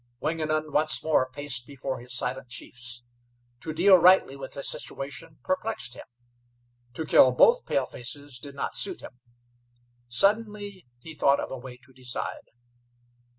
Wingenund once more paced before his silent chiefs. To deal rightly with this situation perplexed him. To kill both palefaces did not suit him. Suddenly he thought of a way to decide.